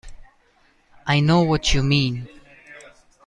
I know what you mean.